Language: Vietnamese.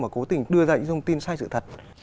và cố tình đưa ra những thông tin sai sự thật